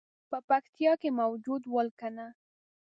په پکتیا کې موجود ول کنه.